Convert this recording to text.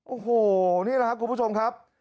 โอ้โหนี่แหละครับคุณผู้ชมครับ